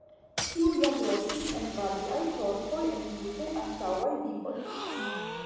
Tiu jam loĝis en variaj korpoj en multaj antaŭaj vivoj.